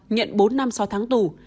nhận bốn năm sau tháng tù